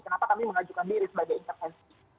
kenapa kami mengajukan diri sebagai intervensi